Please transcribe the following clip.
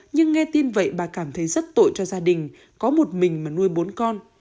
nhưng nghe tin vậy bà cảm thấy rất tội cho gia đình có một mình mà nuôi bốn con